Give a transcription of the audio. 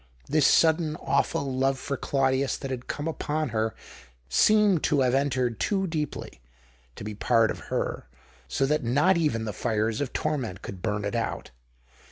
This sudden, awful love for Claudius that had come upon her seemed to have entered too deeply, to be part of her, so that not even the fires of torment could burn it out.